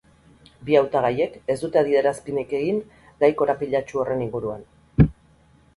Bi hautagaiek ez dute adierazpenik egin gai korapilatsu horren inguruan.